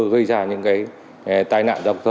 gây ra những cái tai nạn